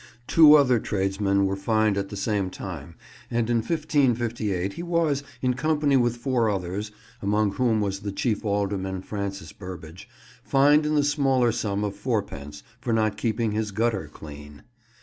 Two other tradesmen were fined at the same time, and in 1558 he was, in company with four others (among whom was the chief alderman, Francis Burbage) fined in the smaller sum of fourpence for not keeping his gutter clean.